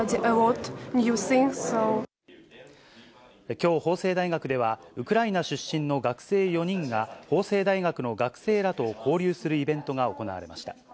きょう法政大学では、ウクライナ出身の学生４人が法政大学の学生らと交流するイベントが行われました。